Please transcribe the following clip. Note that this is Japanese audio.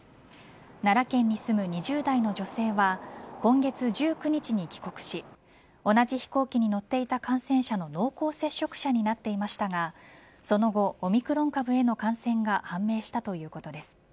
奈良県に住む２０代の女性は今月１９日に帰国し同じ飛行機に乗っていた感染者の濃厚接触者になっていましたがその後、オミクロン株への感染が判明したということです。